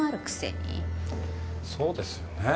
そうですよねえ。